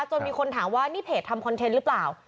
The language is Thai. จนมีคนถามว่านี่เพจทำคอนเทนต์หรือเปล่า